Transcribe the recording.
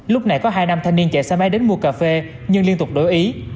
lúc này có hai nam thanh niên chạy xe máy đến mua cà phê nhưng liên tục đổi ý